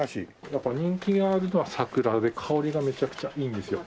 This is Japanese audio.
やっぱ人気があるのはサクラで香りがめちゃくちゃいいんですよ。